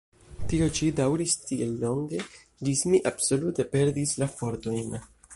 Tio ĉi daŭris tiel longe, ĝis mi absolute perdis la fortojn.